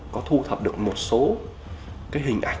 có thu thập được một số hình ảnh